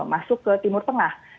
masuk ke timur tengah